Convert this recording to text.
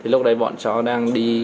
lúc đấy bọn chó đang đi